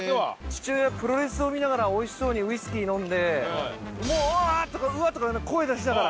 父親プロレスを見ながら美味しそうにウイスキー飲んでわ！とかうわっ！とか。